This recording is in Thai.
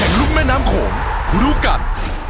แห่งรุ่นแม่น้ำโขมรู้กัน